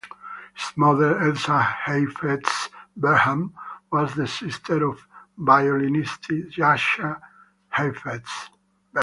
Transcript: His mother Elza Heifetz Behrman was the sister of violinist Jascha Heifetz.